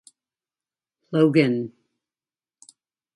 Logan.